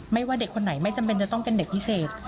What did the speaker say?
ว่าเด็กคนไหนไม่จำเป็นจะต้องเป็นเด็กพิเศษ